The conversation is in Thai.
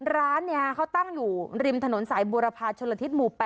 ร้านเขาตั้งอยู่ริมถนนสายบุรพาชนละทิศหมู่๘